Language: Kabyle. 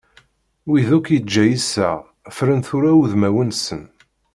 Wid akk yeǧǧa yiseɣ, ffren tura udmawen-nsen.